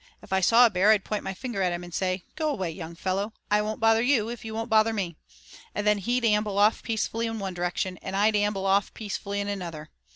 If I saw a bear I'd point my finger at him and say: 'Go away, young fellow, I won't bother you if you won't bother me,' and then he'd amble off peacefully in one direction, and I'd amble off peacefully in another.